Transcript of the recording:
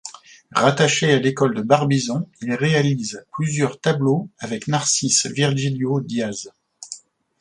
Rattaché à l'école de Barbizon, il réalise plusieurs tableaux avec Narcisse Virgilio Diaz.